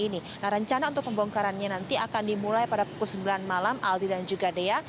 nah rencana untuk pembongkarannya nanti akan dimulai pada pukul sembilan malam aldi dan juga dea